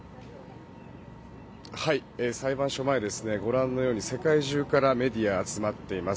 裁判所前ご覧のように世界中からメディアが集まっています。